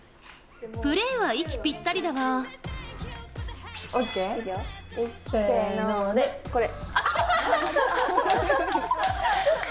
プレーは息ぴったりだがいっせーので、これ。